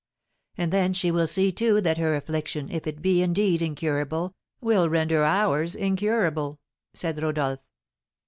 "And then she will see, too, that her affliction, if it be, indeed, incurable, will render ours incurable," said Rodolph.